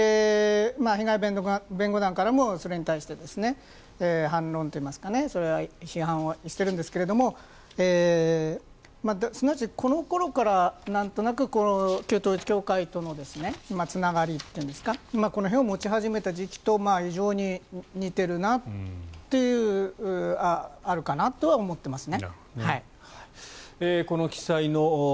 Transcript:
被害弁護団からもそれに対して反論といいますか批判をしているんですけれどもすなわち、このころからなんとなく旧統一教会とのつながりというんですか関わりを持ち始めたのと非常に似ているなというあるかなとは思っています。